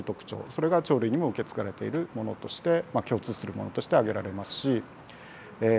それが鳥類にも受け継がれているものとして共通するものとして挙げられますしえ